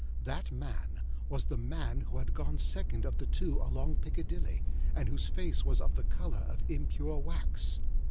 That man was the man who had gone second of the two along Piccadilly, and whose face was of the colour of impure wax.